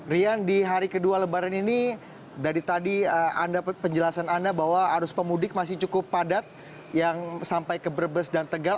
rian di hari kedua lebaran ini dari tadi penjelasan anda bahwa arus pemudik masih cukup padat yang sampai ke brebes dan tegal